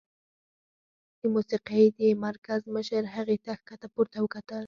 د موسيقۍ د مرکز مشر هغې ته ښکته پورته وکتل.